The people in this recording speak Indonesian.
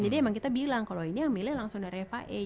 jadi emang kita bilang kalau ini yang milih langsung dari fia